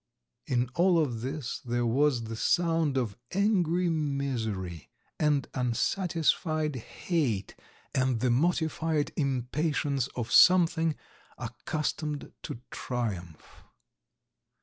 In all of this there was the sound of angry misery and unsatisfied hate, and the mortified impatience of something accustomed to triumph.